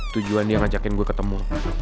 tujuan dia ngajakin gue ketemu